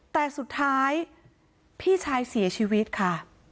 แต่สุดท้ายพี่ชายเสียชีวิตค่ะ